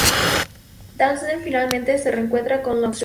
Dazzler finalmente se reencuentra con Longshot.